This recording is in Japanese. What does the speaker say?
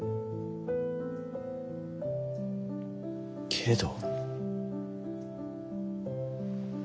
けれど。